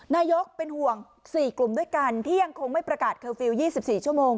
นายกเป็นห่วง๔กลุ่มด้วยกันที่ยังคงไม่ประกาศเคอร์ฟิลล์๒๔ชั่วโมง